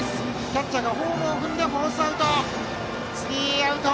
キャッチャーがホームを踏んでフォースアウト。